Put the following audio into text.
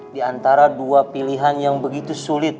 di antara dua pilihan yang begitu sulit